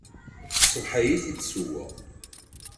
Ṣṣbeḥ-ayi i t-id-ssewweɣ.